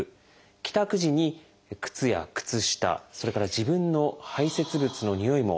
帰宅時に靴や靴下それから自分の排せつ物のにおいも嗅いでみる。